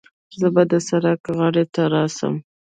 زه به د سړک غاړې ته راسم.